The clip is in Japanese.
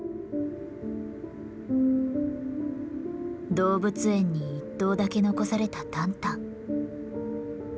動物園に１頭だけ残されたタンタン。